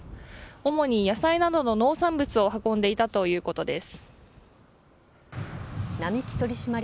主に野菜などの農産物を運んでいたということです。